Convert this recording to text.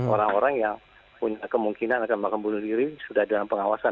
orang orang yang punya kemungkinan akan melakukan bunuh diri sudah dalam pengawasan